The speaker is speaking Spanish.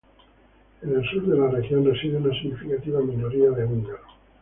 En el sur de la región reside una significativa minoría de húngaros.